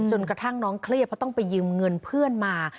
กระทั่งน้องเครียดเพราะต้องไปยืมเงินเพื่อนมา